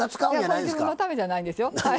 これ自分のためじゃないんですよ。